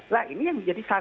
lah ini yang menjadi sasaran